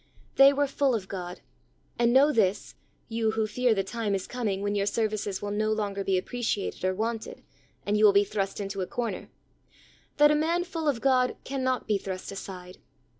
They were full of God. And know this, you who fear the time is coming when your services will no longer be appreci ated or wanted, and you will be thrust into a corner, that a man full of God can not be thrust aside.